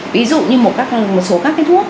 ví dụ như một số các cái thuốc